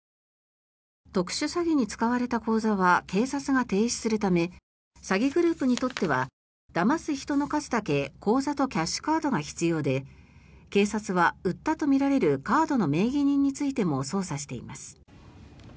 特殊詐欺に使われた口座は警察が停止するため詐欺グループにとってはだます人の数だけ口座とキャッシュカードが必要で警察は、売ったとみられるカードの名義人についても捜査しています。